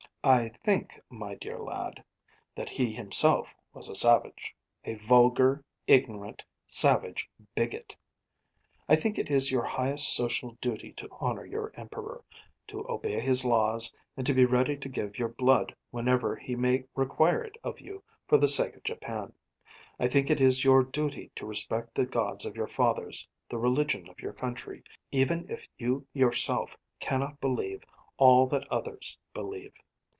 'I think, my dear lad, that he himself was a savage a vulgar, ignorant, savage bigot. I think it is your highest social duty to honour your Emperor, to obey his laws, and to be ready to give your blood whenever he may require it of you for the sake of Japan. I think it is your duty to respect the gods of your fathers, the religion of your country even if you yourself cannot believe all that others believe.